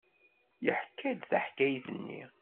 Yeḥka-d taḥkayt-nni.